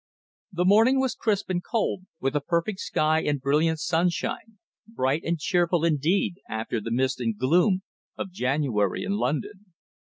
The morning was crisp and cold, with a perfect sky and brilliant sunshine, bright and cheerful indeed after the mist and gloom of January in London.